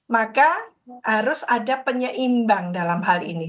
maka harus ada penyeimbang dalam hal ini